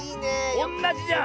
おんなじじゃん。